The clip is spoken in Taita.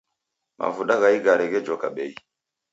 Mavuda gha igare ghejoka bei